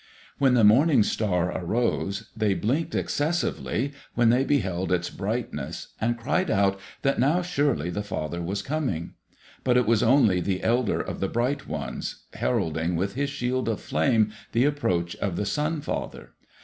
When the morning star arose, they blinked excessively when they beheld its brightness and cried out that now surely the Father was coming. But it was only the elder of the Bright Ones, heralding with his shield of flame the approach of the Sun father.